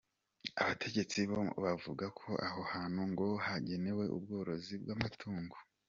Abategetsi bo bavuga ko aho hantu ngo hagenewe ubworozi bw’amatungo.